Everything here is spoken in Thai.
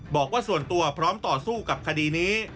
บอกว่าส่วนตัวพร้อมต่อสู้กับคดีนี้